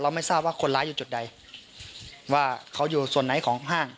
ไม่ทราบว่าคนร้ายอยู่จุดใดว่าเขาอยู่ส่วนไหนของห้าง